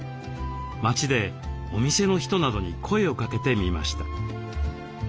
町でお店の人などに声をかけてみました。